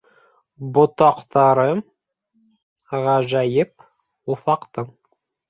Ботаҡтары ғәжәйеп уҫаҡтың: